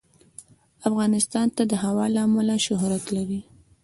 افغانستان د هوا له امله شهرت لري.